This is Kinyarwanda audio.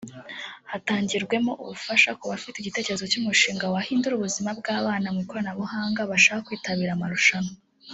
hatangirwemo ubufasha ku bafite igitekerezo cy’umushinga wahindura ubuzima bw’abana mu ikoranabuhanga bashaka kwitabira amarushanwa